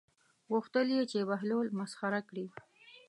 غوښتل یې چې بهلول مسخره کړي.